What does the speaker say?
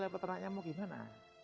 peternaknya mau gimana